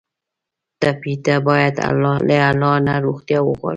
ټپي ته باید له الله نه روغتیا وغواړو.